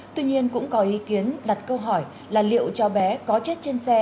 tuy nhiên cũng có ý kiến đặt câu hỏi là liệu cháu bé có chết trên xe